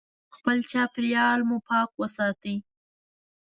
خپل چاپیریال مو پاک وساتئ.